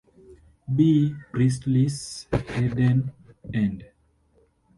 B. Priestley's "Eden End".